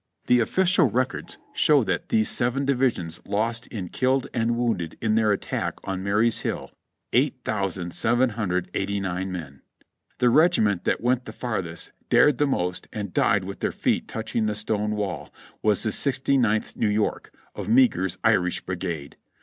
The Official Records show that FREDERICKSBURG 323 these seven divisions lost in killed and wounded in their attack on Marye's Hill 8,789 men. (Reb. Records, Vol. 21, pp. 129 137.) The regiment that went the farthest, dared the most and died with their feet touching the stone wall was the Sixty ninth New York, of Meagher's Irish Brigade.